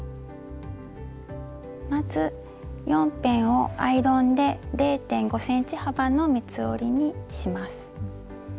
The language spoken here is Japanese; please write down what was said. まず４辺をアイロンで０．５ｃｍ幅の三つ折りにします。